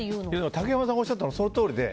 竹山さんがおっしゃったのそのとおりで。